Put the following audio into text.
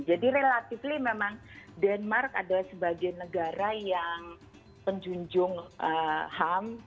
jadi relatif memang denmark adalah sebagai negara yang penjunjung ham